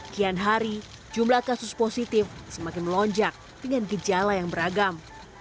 kian hari jumlah kasus positif semakin melonjak dengan gejala yang beragam